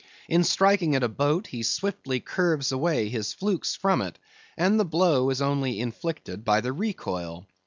In striking at a boat, he swiftly curves away his flukes from it, and the blow is only inflicted by the recoil.